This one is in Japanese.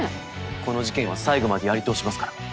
この事件は最後までやり通しますから。